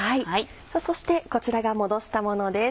そしてこちらがもどしたものです。